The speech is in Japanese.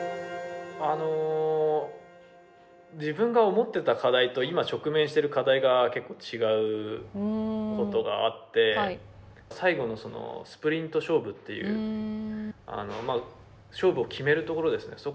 自分が思ってた課題と今、直面している課題が違うことがあって最後のスプリント勝負という勝負を決めるところですね。